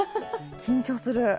緊張する。